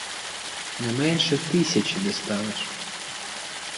Не менше тисячі дістанеш.